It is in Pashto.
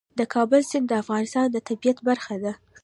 د کابل سیند د افغانستان د طبیعت برخه ده.